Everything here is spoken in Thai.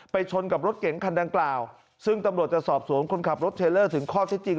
ชนกับรถเก๋งคันดังกล่าวซึ่งตำรวจจะสอบสวนคนขับรถเทลเลอร์ถึงข้อเท็จจริง